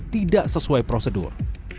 tidak sesuai prosedur